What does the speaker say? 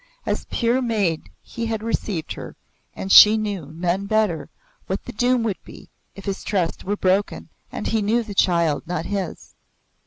As pure maid he had received her, and she knew, none better, what the doom would be if his trust were broken and he knew the child not his.